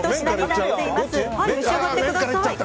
召し上がってください。